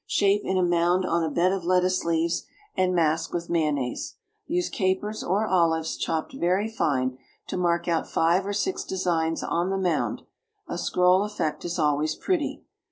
Shape in a mound on a bed of lettuce leaves and mask with mayonnaise. Use capers or olives, chopped very fine, to mark out five or six designs on the mound; a scroll effect is always pretty.